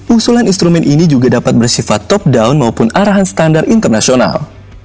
usulan instrumen ini juga dapat bersifat top down maupun arahan standar internasional